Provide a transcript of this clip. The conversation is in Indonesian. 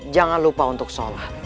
jangan lupa untuk sholat